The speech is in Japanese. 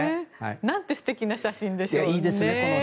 何て素敵な写真でしょう。